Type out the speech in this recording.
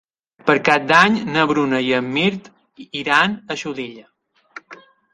Per Cap d'Any na Bruna i en Mirt iran a Xulilla.